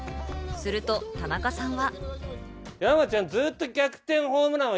すると田中さんは。